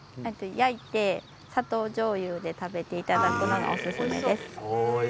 焼いて砂糖じょうゆで食べていただくのがおすすめです。